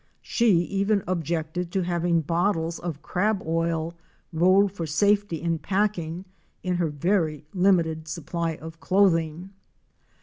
She even objected to having bottles of crab oil rolled for safety in packing, in her very hmited supply of clothing.